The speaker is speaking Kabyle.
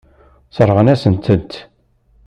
Sseṛɣen-asent-tt.